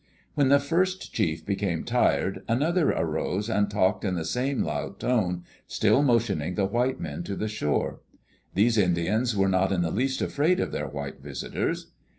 When the first chief became tired, another arose and talked in the same loud tone, still motioning the white men to the shore. These Indians were not in the least afraid of their white visitors.